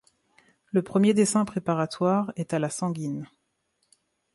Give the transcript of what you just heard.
Le premier dessin préparatoire est à la sanguine.